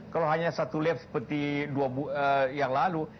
kalau hanya satu lab seperti yang lalu